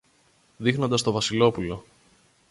δείχνοντας το Βασιλόπουλο.